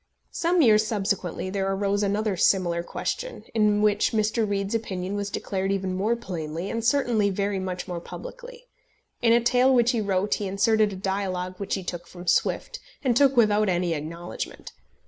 Some years subsequently there arose another similar question, in which Mr. Reade's opinion was declared even more plainly, and certainly very much more publicly. In a tale which he wrote he inserted a dialogue which he took from Swift, and took without any acknowledgment.